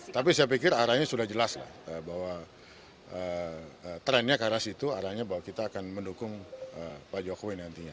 tapi saya pikir arahnya sudah jelas lah bahwa trennya ke arah situ arahnya bahwa kita akan mendukung pak jokowi nantinya